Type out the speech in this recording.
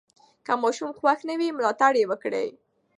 که ماشوم خوښ نه وي، ملاتړ یې وکړئ.